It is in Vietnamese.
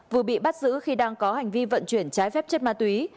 vừa bị bắt giữ khi đang có hành vi vận chuyển trái phép chất ma túy